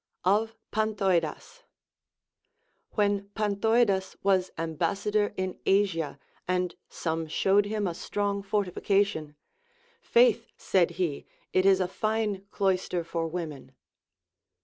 Of Panthoidas. When Panthoidas was ambassador in Asia and some showed him a strong fortification. Faith, said he, it is a fine cloister for women.